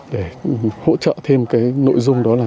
để hỗ trợ thêm cái nội dung đó là